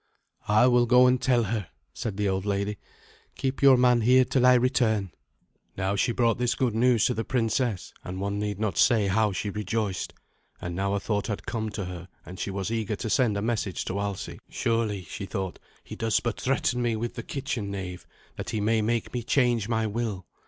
"I will go and tell her," said the old lady. "Keep your man here till I return." Now she brought this good news to the princess, and one need not say how she rejoiced. And now a thought had come to her, and she was eager to send a message to Alsi. "Surely," she thought, "he does but threaten me with the kitchen knave, that he may make me change my will.